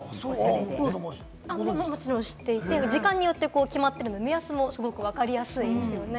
もちろんしていて時間によって決まってるので、目安もすごくわかりやすいですよね。